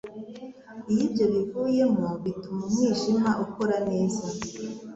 iyo ibyo bivuyemo bituma umwijima ukora neza,